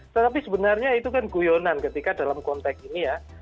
tetapi sebenarnya itu kan guyonan ketika dalam konteks ini ya